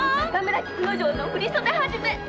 菊之丞の「振り袖はじめ」。